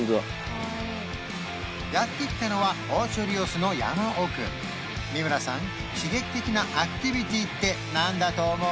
やって来たのはオーチョ・リオスの山奥三村さん刺激的なアクティビティって何だと思う？